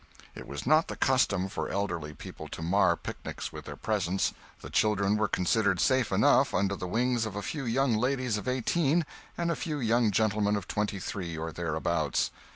It was not the custom for elderly people to mar the picnics with their presence. The children were considered safe enough under the wings of a few young ladies of eighteen and a few young gentlemen of twenty three or thereabouts.